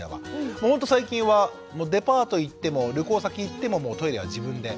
ほんと最近はデパート行っても旅行先行ってもトイレは自分で。